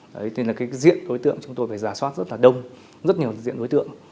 đấy là cái diễn đối tượng chúng tôi phải giả soát rất là đông rất nhiều diễn đối tượng